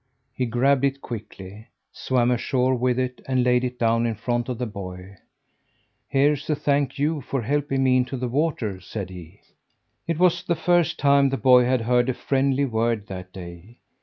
He grabbed it quickly, swam ashore with it, and laid it down in front of the boy. "Here's a thank you for helping me into the water," said he. It was the first time the boy had heard a friendly word that day.